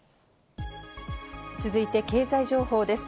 続いて経済情報です。